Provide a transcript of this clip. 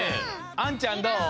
あんちゃんどう？